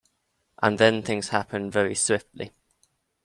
And then things happened very swiftly.